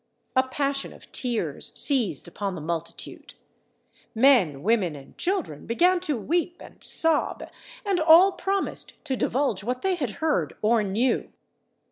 A passion of tears seized upon the multitude; men, women, and children began to weep and sob, and all promised to divulge what they had heard or knew.